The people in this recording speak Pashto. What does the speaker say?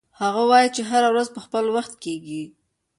هغه وایي چې هر څه په خپل وخت کیږي